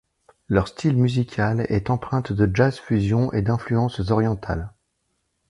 Leur style musical est empreinte de jazz fusion et d'influences orientales.